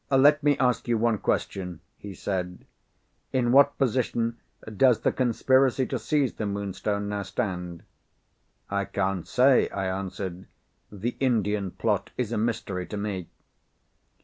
"Let me ask you one question," he said. "In what position does the conspiracy to seize the Moonstone now stand?" "I can't say," I answered. "The Indian plot is a mystery to me."